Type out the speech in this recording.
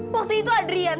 waktu itu adrian